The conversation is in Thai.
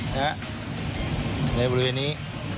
ในบริเวณนี้